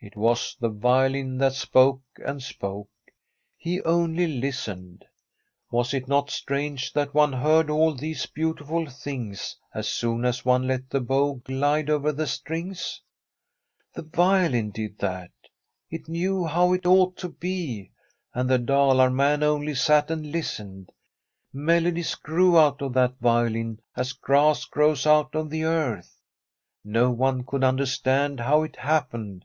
It was the violin that spoke and spoke ; he only listened. Was it not strange that one heard all these beautiful things as soon as one let the bow glide over the strings ? The violin did that. It knew how it ought to be, and the Dalar man only sat and listened. Melodies grew out of that violin as grass grows out of the earth. No one could understand how it happened.